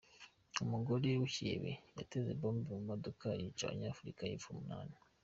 Umugore w’ikihebe yateze bombe mu modoka yica Abanyafurika y’Epfo Umunani